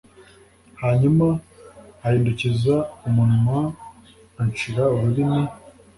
Hanyuma ahindukiza umunwa anshira ururimi